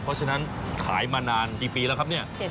เพราะฉะนั้นขายมานานกี่ปีแล้วครับเนี่ย